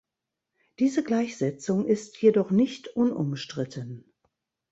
Diese Gleichsetzung ist jedoch nicht unumstritten.